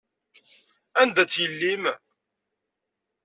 Anda-tt yelli-m?